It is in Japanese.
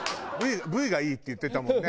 Ｖがいいって言ってたもんね。